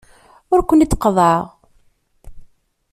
Ur ken-id-qeḍḍɛeɣ.